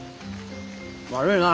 悪いなぁ。